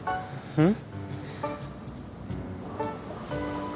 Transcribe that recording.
うん！？